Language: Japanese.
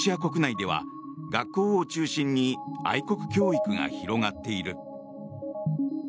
今、ロシア国内では学校を中心に愛国教育が広がっている。